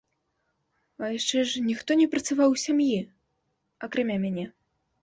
А яшчэ ж ніхто не працаваў у сям'і, акрамя мяне.